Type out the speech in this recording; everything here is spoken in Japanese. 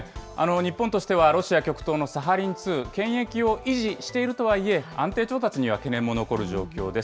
日本としてはロシア極東のサハリン２、権益を維持しているとはいえ、安定調達には懸念も残る状況です。